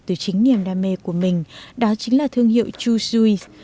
từ chính niềm đam mê của mình đó chính là thương hiệu chujuice